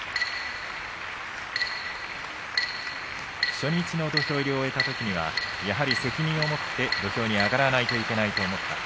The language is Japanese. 初日の土俵入りを終えたときにはやはり責任を持って土俵に上がらないといけないと思った。